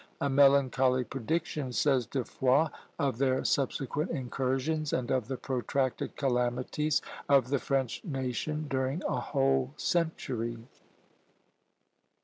a melancholy prediction, says De Foix, of their subsequent incursions, and of the protracted calamities of the French nation during a whole century!